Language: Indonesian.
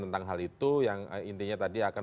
tentang hal itu yang intinya tadi akan